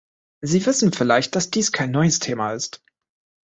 Sie wissen vielleicht, dass dies kein neues Thema ist.